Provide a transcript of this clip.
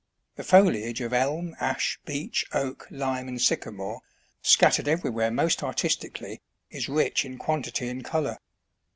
The foliage of elm, ash, beech, oak, lime, and sycamore, scattered everywhere most artistically, is rich in quantity and colour.